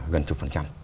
gần chục phần trăm